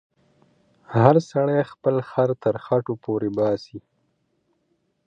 هر سړی خپل خر تر خټو پورې باسې.